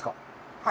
はい。